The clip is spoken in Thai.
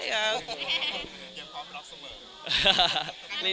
ยังพร้อมล็อกเสมอ